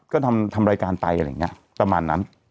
ก็ทำรายการไปอะไรอย่างนี้ประมาณนั้น